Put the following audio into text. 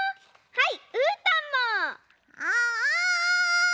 はい。